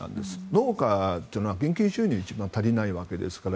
農家というのは現金収入が一番足りないわけですから。